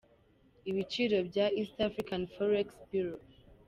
Ibiciro bya East african forex bureau.